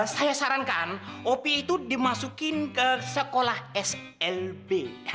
saya sarankan opi itu dimasukin ke sekolah slb